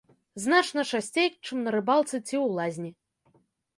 Значна часцей, чым на рыбалцы ці ў лазні.